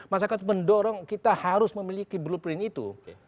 masyarakat mendorong kita harus memiliki blueprint itu